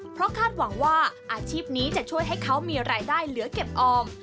เพราะคาดหวังว่าอาชีพนี้จะช่วยให้เขามีรายได้เหลือเก็บออม